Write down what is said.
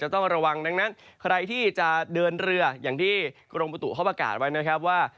ต้องระวังดังนั้นใครที่จะเดินเรืออย่างที่กรมประตูเขาประกาศไว้นะครับว่า